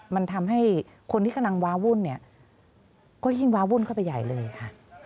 มันทำให้คนที่กำลังวาวุ่นเนี่ยก็ยิ่งวาวุ่นเข้าไปใหญ่เลยค่ะ